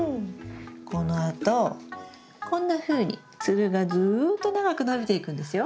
このあとこんなふうにつるがずっと長く伸びていくんですよ。